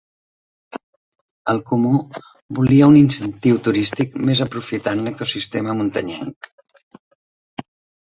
El Comú volia un incentiu turístic més aprofitant l’ecosistema muntanyenc.